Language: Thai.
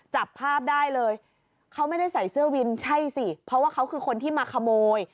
จับภาพได้เลยเขาไม่ได้ใส่เสื้อวินใช่สิเพราะว่าเขาคือคนที่มาขโมย